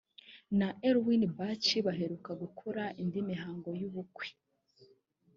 na Erwin Bach baherukaga gukora indi mihango y’ubukwe